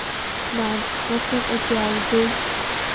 Нан, уахьыҟаз иааугеи?